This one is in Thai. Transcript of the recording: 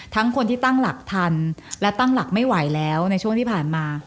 ทั้งคนที่ตั้งหลักทันและตั้งหลักไม่ไหวแล้วในช่วงที่ผ่านมา